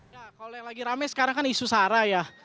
kalau yang lagi rame sekarang kan isu sarah ya